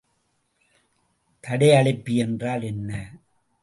தடையளிப்பி என்றால் என்ன?